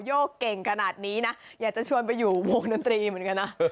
โยกเก่งขนาดนี้นะอยากจะชวนไปอยู่วงดนตรีเหมือนกันนะ